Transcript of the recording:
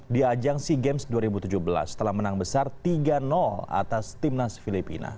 di ajang sea games dua ribu tujuh belas setelah menang besar tiga atas timnas filipina